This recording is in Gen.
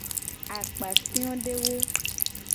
Akpafiodewo.